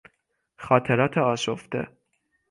خاطرات آشفته